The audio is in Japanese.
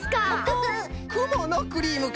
くものクリームか。